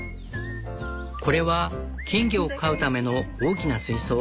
これは金魚を飼うための大きな水槽。